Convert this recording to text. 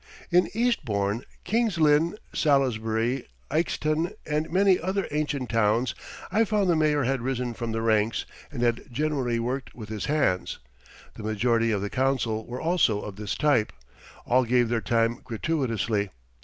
In Eastbourne, Kings Lynn, Salisbury, Ilkeston, and many other ancient towns, I found the mayor had risen from the ranks, and had generally worked with his hands. The majority of the council were also of this type. All gave their time gratuitously.